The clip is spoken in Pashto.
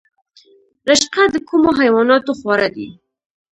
رشقه د کومو حیواناتو خواړه دي؟